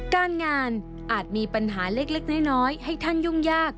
การงานอาจมีปัญหาเล็กน้อยให้ท่านยุ่งยาก